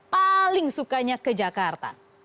paling sukanya ke jakarta